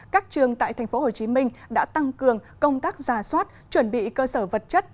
các trường tại tp hcm đã tăng cường công tác ra soát chuẩn bị cơ sở vật chất